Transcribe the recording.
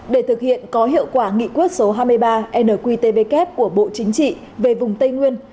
để thực hiện có hiệu quả nghị quyết số hai mươi ba nqtvk của bộ chính trị về vùng tây nguyên